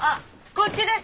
こっちです！